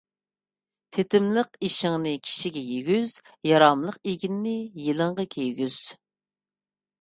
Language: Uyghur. تېتىملىق ئېشىڭنى كىشىگە يېگۈز، ياراملىق ئىگىننى يېلىڭغا كىيگۈز.